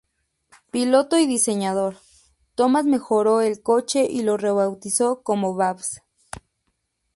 Piloto y diseñador, Thomas mejoró el coche y lo rebautizó como "Babs".